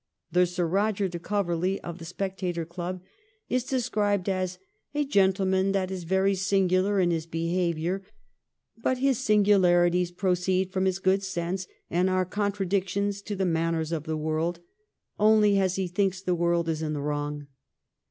The Sir Eoger de Coverley of ' The Spectator ' Club is described as ' a gentleman that is 184 THE EEIGN OF QUEEN ANNE. oh. xxix. very singular in his behaviour, but his singularities proceed from his good sense, and are contradictions to the manners of the world, only as he thinks the world is in the wrong.'